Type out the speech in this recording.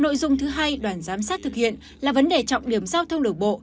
nội dung thứ hai đoàn giám sát thực hiện là vấn đề trọng điểm giao thông đường bộ